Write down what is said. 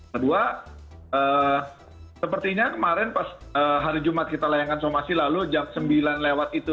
kedua sepertinya kemarin pas hari jumat kita layankan somasi lalu jam sembilan lewat itu